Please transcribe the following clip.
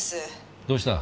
どうした？